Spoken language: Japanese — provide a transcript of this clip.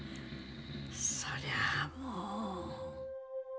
そりゃあもう。